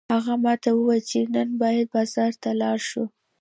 هغه ماته وویل چې نن باید بازار ته لاړ شو